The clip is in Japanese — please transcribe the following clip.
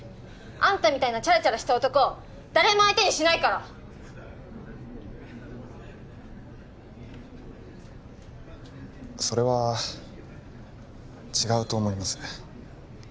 アンタみたいなチャラチャラした男誰も相手にしないからそれは違うと思います